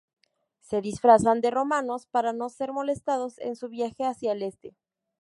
Se disfrazan de romanos para no ser molestados en su viaje hacia el Este.